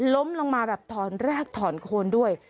ล้มลงมาแบบถอนรากถอนโคนด้วย